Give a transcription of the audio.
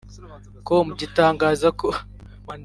com gitangaza ko